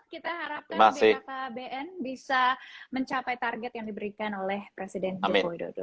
kita harapkan bkpbn bisa mencapai target yang diberikan oleh presiden jokowi dodo